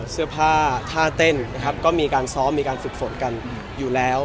เสื้อผ้าท่าเต้นนะครับก็มีการซ้อมมีการฝึกฝนกันอยู่แล้ว